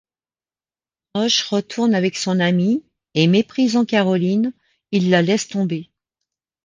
Rauch retourne avec son ami, et méprisant Caroline, il la laisse tomber.